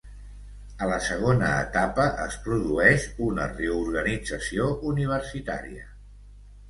A la segona etapa es produeix una reorganització universitària.